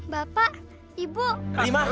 bapak ibu rima